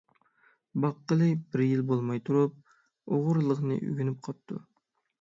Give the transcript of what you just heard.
باققىلى بىر يىل بولماي تۇرۇپ، ئوغرىلىقنى ئۆگىنىپ قاپتۇ.